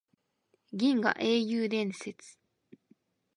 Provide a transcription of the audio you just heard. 銀河英雄伝説